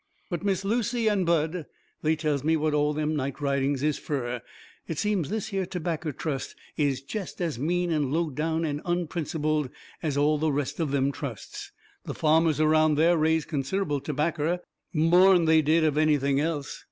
But Miss Lucy and Bud, they tells me what all them night ridings is fur. It seems this here tobaccer trust is jest as mean and low down and unprincipled as all the rest of them trusts. The farmers around there raised considerable tobaccer more'n they did of anything else.